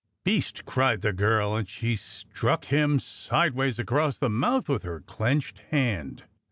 "Beast!" cried the girl, and she struck him sideways across the mouth with her clenched hand.